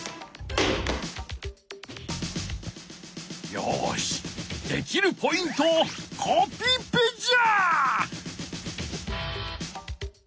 よしできるポイントをコピペじゃ！